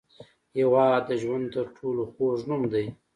هېواد د ژوند تر ټولو خوږ نوم دی.